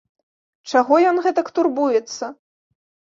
Чаго ён гэтак турбуецца?